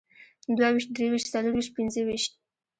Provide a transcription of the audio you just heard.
دوهويشت، دريويشت، څلرويشت، پينځهويشت